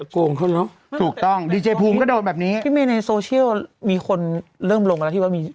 โกงเขาเนอะถูกต้องดีเจภูมิก็โดนแบบนี้พี่เมย์ในโซเชียลมีคนเริ่มลงไปแล้วที่ว่ามี